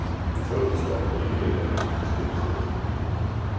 Toget stopper ikke længere i Lille Skensved